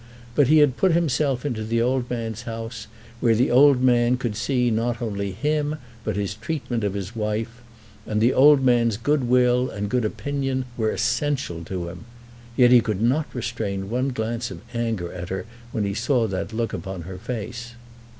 But he had put himself into the old man's house, where the old man could see not only him but his treatment of his wife, and the old man's good will and good opinion were essential to him. Yet he could not restrain one glance of anger at her when he saw that look upon her face.